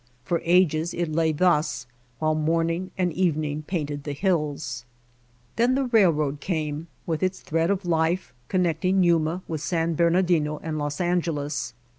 For ages it lay thus while morning and evening painted the hills. Then the railroad came with its thread of life, connecting Yuma with San Bernadino and [2+] How We Found Mojave Los Angeles.